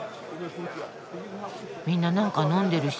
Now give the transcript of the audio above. みんな何か飲んでるし。